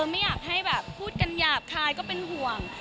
ไม่อยากให้แบบพูดกันหยาบคายก็เป็นห่วง